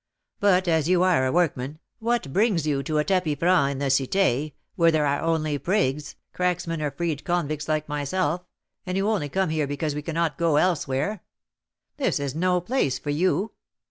But, as you are a workman, what brings you to a tapis franc in the Cité, where there are only prigs, cracksmen or freed convicts like myself, and who only come here because we cannot go elsewhere? This is no place for you.